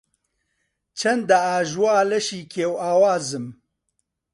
چەندە ئاژوا لەشی کێو ئاوازم